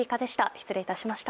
失礼いたしました。